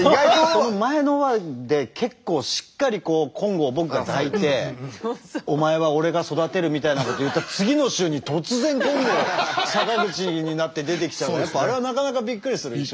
その前の話で結構しっかり金剛を僕が抱いてお前は俺が育てるみたいなことを言った次の週に突然金剛が坂口になって出てきちゃうからあれはなかなかびっくりするね。